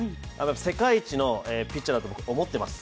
世界一のピッチャーだと思っています。